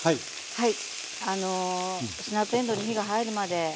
はい。